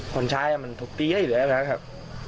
คนใช้มันถูกตีให้อยู่แล้วนะครับ